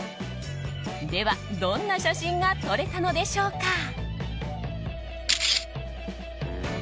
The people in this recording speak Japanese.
では、どんな写真が撮れたのでしょうか。